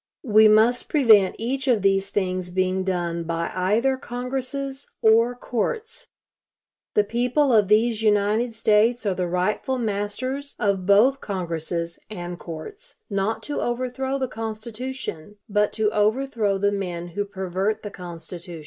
We must prevent each of these things being done by either congresses or courts. The people of these United States are the rightful masters of both congresses and courts, not to overthrow the Constitution, but to overthrow the men who pervert the Constitution.